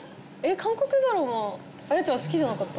韓国ドラマ綾ちゃん好きじゃなかった？